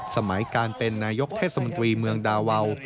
สมัยการเป็นนายกเทศมนตรีเมืองดาวาว